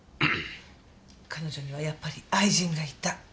彼女にはやっぱり愛人がいた。